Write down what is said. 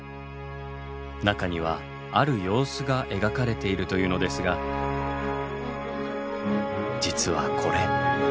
中にはある様子が描かれているというのですが実はこれ。